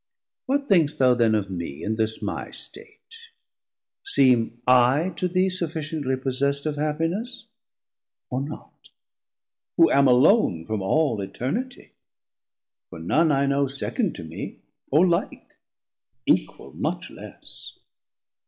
What thinkst thou then of mee, and this my State, Seem I to thee sufficiently possest Of happiness, or not? who am alone From all Eternitie, for none I know Second to mee or like, equal much less.